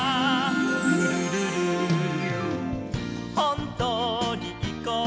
「ルルルル」「ほんとにいこうよ」